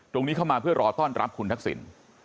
เข้ามาเพื่อรอต้อนรับคุณทักษิณ